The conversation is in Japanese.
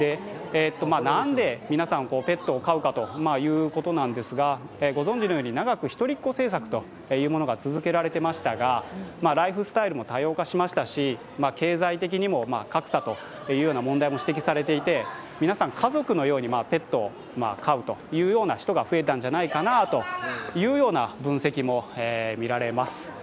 何で皆さん、ペットを飼うかということなんですが、ご存じのように長く一人っ子政策が続けられていましたが、ライフスタイルも多様化しましたし、経済的にも格差の問題も指摘されていて、皆さん、家族のようにペットを飼う人が増えたんじゃないかという分析もみられます。